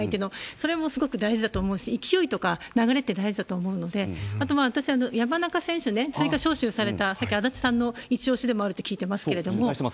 それもすごく大事だと思うし、勢いとか流れって大事だと思うので、あと、私、山中選手ね、追加招集された、さっき足立さんの一押しでもあるって聞いてますけれども。